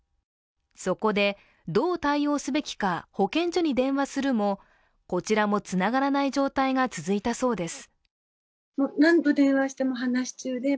そこで、どう対応すべきか保健所に電話するも、こちらもつながらない状態が続いたそうです。